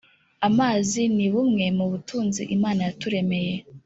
amazi ni bumwe mu butunzi imana yaturemeye